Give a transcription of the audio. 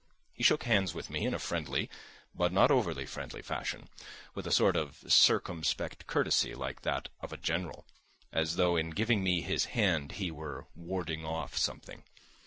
He shook hands with me in a friendly, but not over friendly, fashion, with a sort of circumspect courtesy like that of a General, as though in giving me his hand he were warding off something.